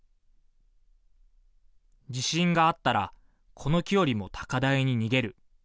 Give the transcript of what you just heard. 地震があったらこの木よりも高台に逃げる。